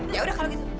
ya udah kalau gitu